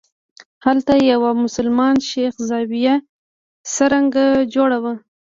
هلته د یوه مسلمان شیخ زاویه څرنګه جوړه وه.